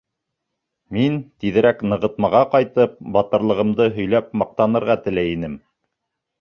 Мин, тиҙерәк нығытмаға ҡайтып, батырлығымды һөйләп маҡтанырға теләй инем.